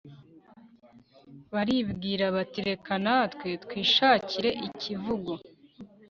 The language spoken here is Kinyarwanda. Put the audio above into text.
baribwira bati reka natwe twishakire icyivugo